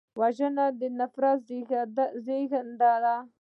وژنه د نفرت زېږنده ده